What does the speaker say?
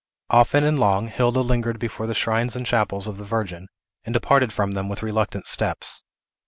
Often and long, Hilda lingered before the shrines and chapels of the Virgin, and departed from them with reluctant steps.